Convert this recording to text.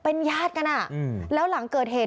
เป็นญาติกันอ่ะอืมแล้วหลังเกิดเหตุ